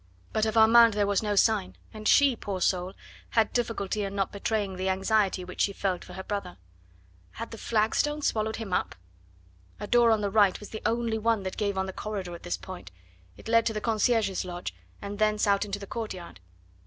But of Armand there was no sign, and she poor soul! had difficulty in not betraying the anxiety which she felt for her brother. Had the flagstones swallowed him up? A door on the right was the only one that gave on the corridor at this point; it led to the concierge's lodge, and thence out into the courtyard.